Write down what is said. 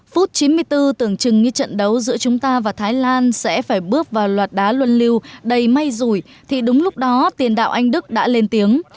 phút chín mươi bốn tưởng chừng như trận đấu giữa chúng ta và thái lan sẽ phải bước vào loạt đá luân lưu đầy may rủi thì đúng lúc đó tiền đạo anh đức đã lên tiếng